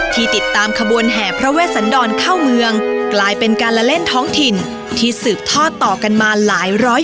ที่ติดตามขบวนแห่พระเวสันดรเข้าเมืองกลายเป็นการละเล่นท้องถิ่นที่สืบทอดต่อกันมาหลายร้อย